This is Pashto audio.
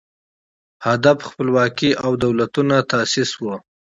هدف خپلواکي او دولتونو تاسیس و